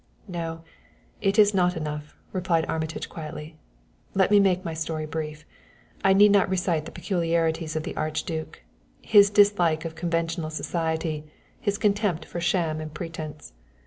"No, it is not enough," replied Armitage quietly. "Let me make my story brief. I need not recite the peculiarities of the Archduke his dislike of conventional society, his contempt for sham and pretense.